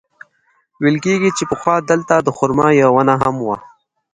ویل کېږي چې پخوا دلته د خرما یوه ونه هم وه.